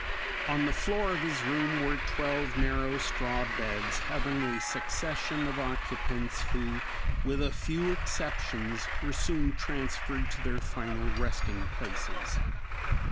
On the floor of his room were twelve narrow straw beds having a succession of occupants who, with a few exceptions, were soon transferred to their final resting places.